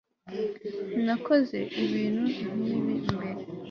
nakoze ibintu nkibi mbere